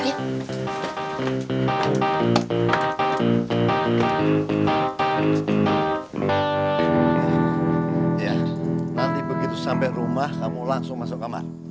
iya nanti begitu sampai rumah kamu langsung masuk kamar